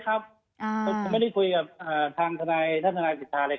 ครับอ่าผมไม่ได้คุยกับอ่าทางธนายท่านธนายสิทธาเลย